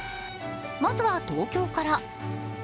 まずは東京から。